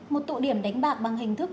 một tụ điểm đánh bạc bằng hình thức